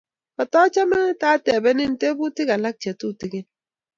Kotchame ta tepenin teputik alak che tutukin